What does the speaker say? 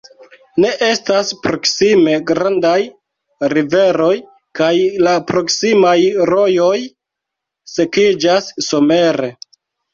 Ne estas proksime grandaj riveroj kaj la proksimaj rojoj sekiĝas somere.